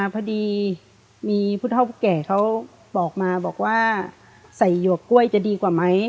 พอดีมีผู้เท่าผู้แก่เขาบอกมาบอกว่าใส่หยวกกล้วยจะดีกว่าไหม